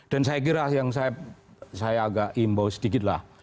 saya kira yang saya agak imbau sedikit lah